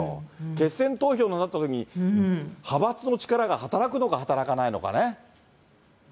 決選投票となったときに、派閥の力が働くのか、働かないのかね。